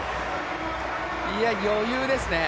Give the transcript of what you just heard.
余裕ですね。